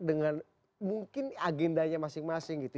dengan mungkin agendanya masing masing gitu